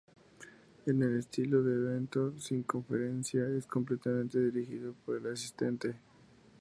En el estilo de evento Sin conferencia, es completamente dirigido por el asistente.